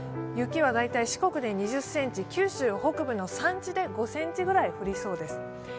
雪は大体四国で２０ｃｍ、九州北部の山地で５ｃｍくらい降りそうです。